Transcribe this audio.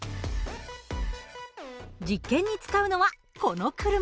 実験に使うのはこの車。